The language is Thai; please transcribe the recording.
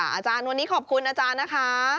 อาจารย์วันนี้ขอบคุณนะจ๊ะนะคะ